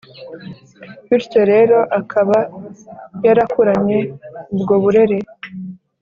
Bityo rero akaba yarakuranye ubwo burere